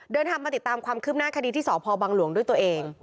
เดินทางมาติดตามความคืบหน้าคดีที่สพบังหลวงด้วยตัวเอง